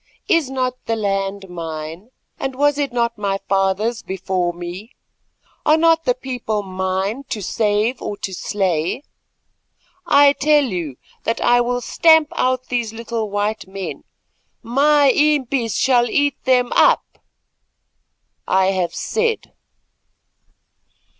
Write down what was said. Is not the land mine, and was it not my father's before me? Are not the people mine to save or to slay? I tell you that I will stamp out these little white men; my impis shall eat them up. I have said!"